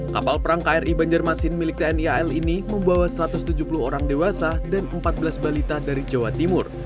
kapal perang kri banjarmasin milik tni al ini membawa satu ratus tujuh puluh orang dewasa dan empat belas balita dari jawa timur